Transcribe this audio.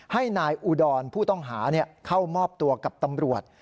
ให้นายอุดรผู้ต้องหาเข้ามอบตัวกับตำรวจ